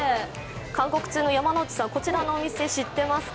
韓国通の山内さん、こちらのお店知ってますか？